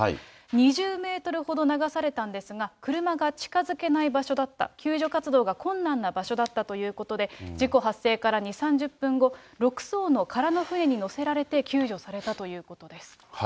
２０メートルほど流されたんですが、車が近づけない場所だった、救助活動が困難な場所だったということで、事故発生から２、３０分後、６そうの空の船に乗せられて救助されたということです。